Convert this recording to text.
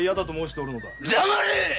黙れ！